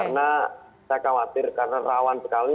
karena saya khawatir karena rawan sekali